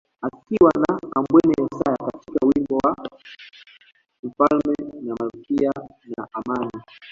Akiwa na Ambwene Yesaya katika wimbo wa mfalme na malkia na Amani